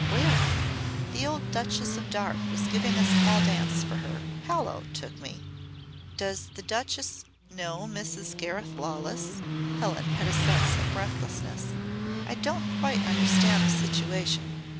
Where?" "The old Duchess of Darte was giving a small dance for her. Hallowe took me " "Does the Duchess know Mrs. Gareth Lawless?" Helen had a sense of breathlessness. "I don't quite understand the situation.